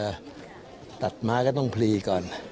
เป็นพระเพณีโบราณนั้นนะฮะเราจะตัดไม้ก็ต้องพลีก่อน